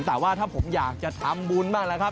แต่ว่าถ้าผมอยากจะทำบุญบ้างแล้วครับ